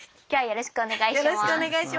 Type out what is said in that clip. よろしくお願いします。